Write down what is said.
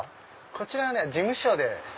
こちらは事務所で。